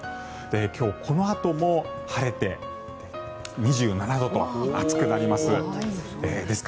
今日、この後も晴れて２７度と暑くなります。